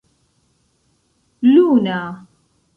luna